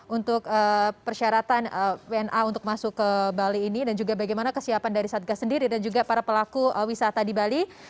untuk persyaratan wna untuk masuk ke bali ini dan juga bagaimana kesiapan dari satgas sendiri dan juga para pelaku wisata di bali